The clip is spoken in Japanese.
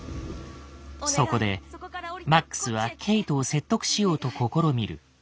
そこでマックスはケイトを説得しようと試みる。